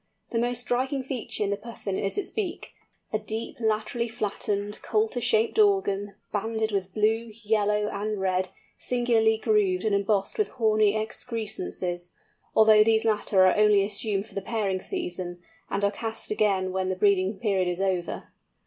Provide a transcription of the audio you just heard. The most striking feature in the Puffin is its beak—a deep, laterally flattened, coulter shaped organ, banded with blue, yellow, and red, singularly grooved and embossed with horny excrescences, although these latter are only assumed for the pairing season, and are cast again when the breeding period is over!